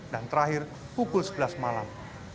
dan terakhir pukul sebelas malam